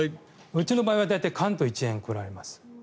うちの場合は関東一円来ます。